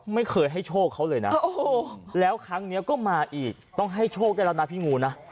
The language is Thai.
ไม่เคยให้โชคเขาเลยนะแล้วครั้งนี้ก็มาอีกต้องให้โชคได้แล้วนะพี่งูนะ